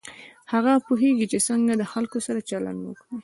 هغه پوهېږي چې څنګه د خلکو سره چلند وکړي.